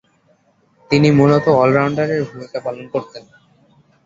তিনি মূলতঃ অল-রাউন্ডারের ভূমিকা পালন করতেন।